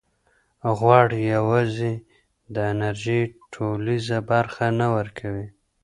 غوړ یوازې د انرژۍ ټولیزه برخه نه ورکوي.